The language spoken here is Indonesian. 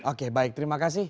oke baik terima kasih